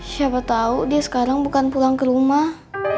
siapa tahu dia sekarang bukan pulang ke rumah